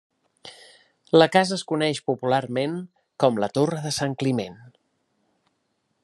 La casa es coneix popularment com La Torre de Sant Climent.